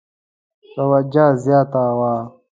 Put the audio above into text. توجه زیاته وه.